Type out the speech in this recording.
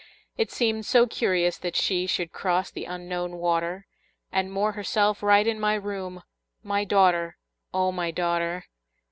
It seemed so curious that she Should cross the Unknown water, And moor herself right in my room, My daughter, O my daughter!